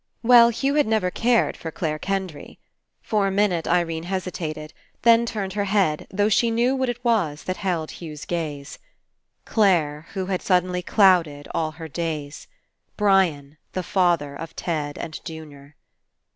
Well, Hugh had never cared for Clare Kendry. For a minute Irene hesitated, then turned her head, though she knew what it was that held Hugh's gaze. Clare, who had suddenly clouded all her days. Brian, the father of Ted and Junior.